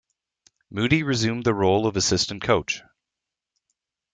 Moody resumed the role of assistant coach.